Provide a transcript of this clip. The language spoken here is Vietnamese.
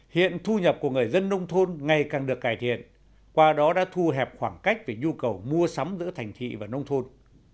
hiện thu nhập của người dân nông thôn ngày càng được cải thiện qua đó đã thu hẹp khoảng cách về nhu cầu mua sắm giữa thành thị và nông thôn